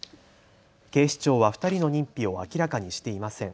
警視庁は２人の認否を明らかにしていません。